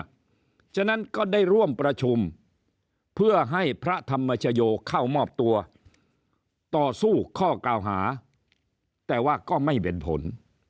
เพราะฉะนั้นก็ได้ร่วมประชุมเพื่อให้พระธรรมชโยเข้ามอบตัวต่อสู้ข้อกล่าวหาแต่ว่าก็ไม่เป็นผล